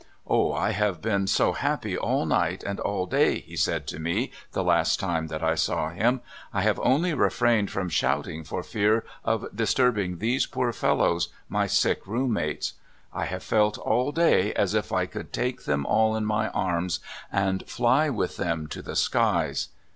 " O I have been so happy all night and all day I " he said to me the last time that I saw him. I have only refrained from shouting for fear of disturbing these poor fellows, my sick roommates. 1 have felt all day as if I could take them all in my arms, and fly with them to tne skies!